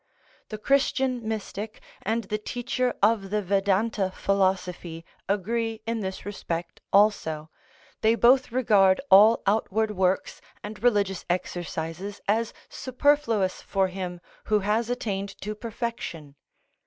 The Christian mystic and the teacher of the Vedanta philosophy agree in this respect also, they both regard all outward works and religious exercises as superfluous for him who has attained to perfection.